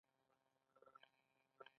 دا یوه علمي او ښوونیزه تخصصي جلسه ده.